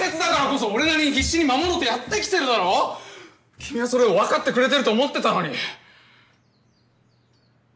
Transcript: ⁉君はそれを分かってくれてると思ってたのに！